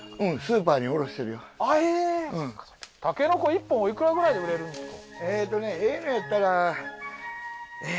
１本おいくらぐらいで売れるんですか？